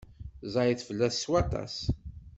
Ẓẓayet fell-as s waṭas.